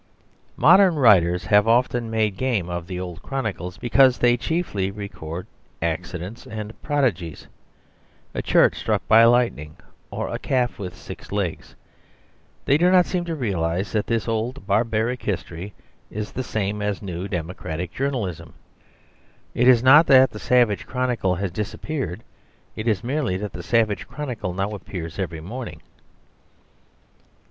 Modern writers have often made game of the old chronicles because they chiefly record accidents and prodigies; a church struck by lightning, or a calf with six legs. They do not seem to realise that this old barbaric history is the same as new democratic journalism. It is not that the savage chronicle has disappeared. It is merely that the savage chronicle now appears every morning.